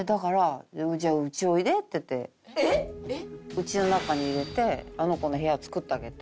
ウチの中に入れてあの子の部屋作ってあげて。